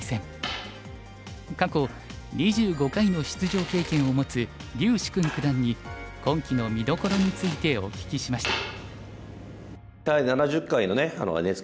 過去２５回の出場経験を持つ柳時熏九段に今期の見どころについてお聞きしました。